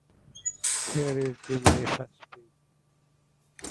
He was the first Superintendent of the Canterbury Province.